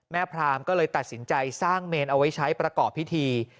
พรามก็เลยตัดสินใจสร้างเมนเอาไว้ใช้ประกอบพิธี